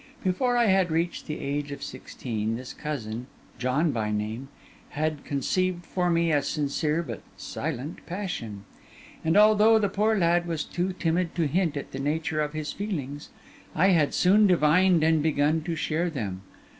Before I had reached the age of sixteen, this cousin, John by name, had conceived for me a sincere but silent passion; and although the poor lad was too timid to hint at the nature of his feelings, I had soon divined and begun to share them.